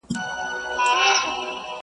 علم وویل زما ډیر دي آدرسونه!!